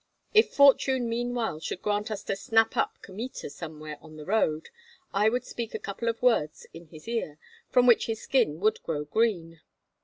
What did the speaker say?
If fortune meanwhile should grant us to snap up Kmita somewhere on the road, I would speak a couple of words in his ear, from which his skin would grow green."